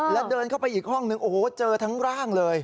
แล้วเดินเข้าไปอีกห้องนึงโอ้โหเจอทั้งร่างเลย